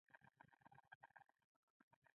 په قران کریم کې د سفر یادونه شوې ده.